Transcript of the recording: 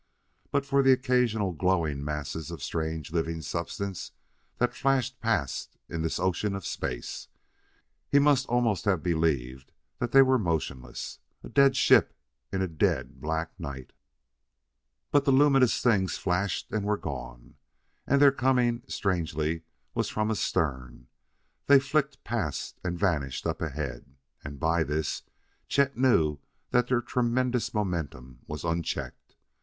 But for the occasional glowing masses of strange living substance that flashed past in this ocean of space, he must almost have believed they were motionless a dead ship in a dead, black night. But the luminous things flashed and were gone and their coming, strangely, was from astern; they flicked past and vanished up ahead. And, by this, Chet knew that their tremendous momentum was unchecked.